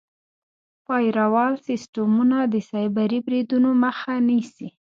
فایروال سیسټمونه د سایبري بریدونو مخه نیسي.